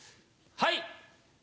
はい！